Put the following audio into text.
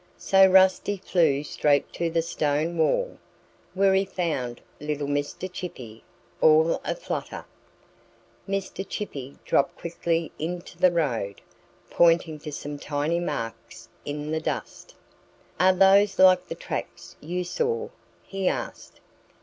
So Rusty flew straight to the stone wall, where he found little Mr. Chippy all aflutter. Mr. Chippy dropped quickly into the road, pointing to some tiny marks in the dust. "Are those like the tracks you saw?" he asked.